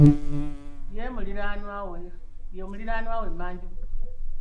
Ye muliraanwa ow'emmanju.